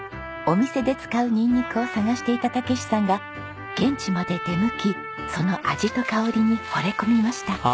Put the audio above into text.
お店で使うニンニクを探していた武史さんが現地まで出向きその味と香りに惚れ込みました。